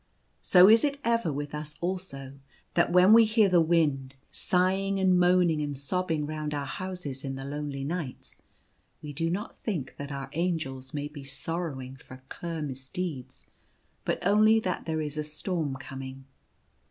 So is it ever with us aho, that when we hear the wind sighing and moaning and sobbing round our houses in the lonely nights, we do not think that our Angels may be sorrowing for cur misdeeds, but only that there is a storm coming.